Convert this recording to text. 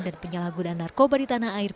dan penyalahgunaan narkoba di tanah airnya